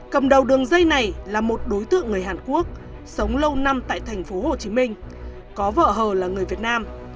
cầm đầu đường dây này là một đối tượng người hàn quốc sống lâu năm tại thành phố hồ chí minh có vợ hờ là người việt nam